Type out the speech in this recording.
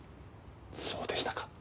そうでしたか。